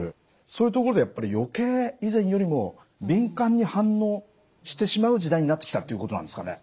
そういうところでやっぱり余計以前よりも敏感に反応してしまう時代になってきたということなんですかね？